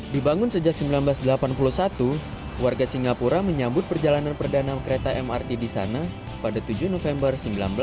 dibangun sejak seribu sembilan ratus delapan puluh satu warga singapura menyambut perjalanan perdana kereta mrt di sana pada tujuh november seribu sembilan ratus enam puluh